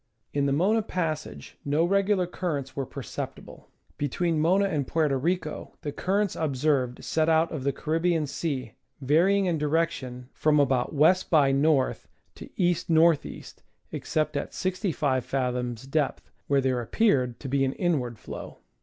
In the Mona Passage no regular currents were perceptible. Between Mona and Puerto Rico the currents observed set out of the Caribbean Sea, varying in direction from about W. by N. Geogrwphy of the Sea. 145 to E. N. E., except at 65 fathoms depth, where there appeared to be an inward flow.